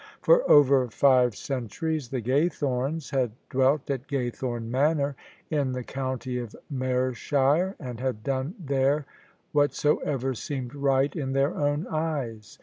For over five centuries the Gaythomes had dwelt at Gaythome Manor in the coun^ of Mershire, and had done there whatsoever seemed ri^t in their own eyes.